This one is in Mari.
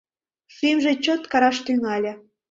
Шӱмжӧ чот кыраш тӱҥале.